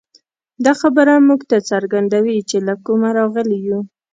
دا خبره موږ ته څرګندوي، چې له کومه راغلي یو.